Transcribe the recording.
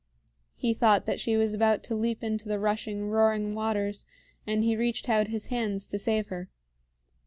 He thought that she was about to leap into the rushing, roaring waters, and he reached out his hands to save her.